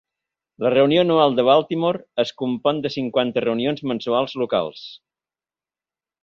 La reunió anual de Baltimore es compon de cinquanta reunions mensuals locals.